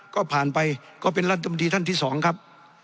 ก็ผ่านไปก็เป็นรัฐมนตรีท่านที่สองครับ